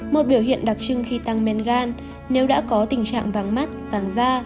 một biểu hiện đặc trưng khi tăng men gan nếu đã có tình trạng vàng mắt vàng da